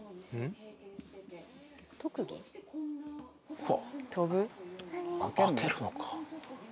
うわ。